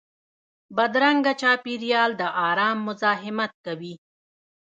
بدرنګه چاپېریال د ارام مزاحمت کوي